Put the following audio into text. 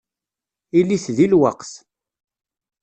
Ilit deg lweqt.